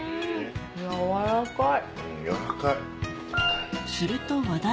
やわらかい！